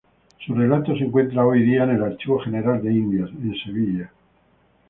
Su relato se encuentra hoy día en el Archivo General de Indias, en Sevilla.